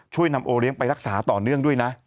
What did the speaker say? ช่วยนำโอเลี้ยงไปรักษาต่อเนื่องด้วยนะ